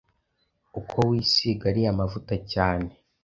uko wisiga ariya mavuta cyane,